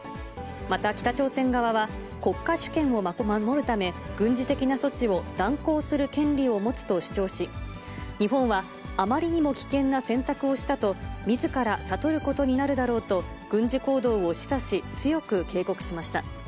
また、北朝鮮側は国家主権を守るため、軍事的な措置を断行する権利を持つと主張し、日本はあまりにも危険な選択をしたとみずから悟ることになるだろうと、軍事行動を示唆し、強く警告しました。